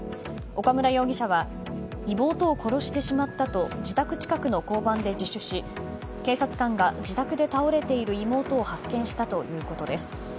岡村容疑者は妹を殺してしまったと自宅近くの交番で自首し警察官が自宅で倒れている妹を発見したということです。